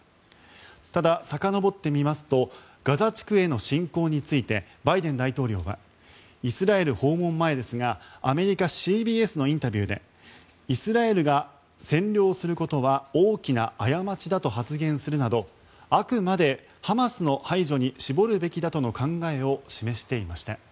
ただ、さかのぼってみますとガザ地区への侵攻についてバイデン大統領はイスラエル訪問前ですがアメリカＣＢＳのインタビューでイスラエルが占領することは大きな過ちだと発言するなどあくまでハマスの排除に絞るべきだとの考えを示していました。